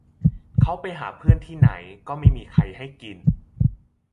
เขาไปหาเพื่อนที่ไหนก็ไม่มีใครให้กิน